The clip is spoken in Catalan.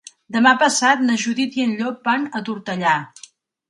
Demà passat na Judit i en Llop van a Tortellà.